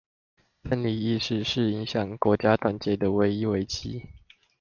分離意識，是影響國家團結的唯一危機